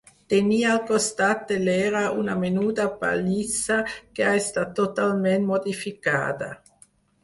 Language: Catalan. Tenia, al costat de l'era una menuda pallissa que ha estat totalment modificada.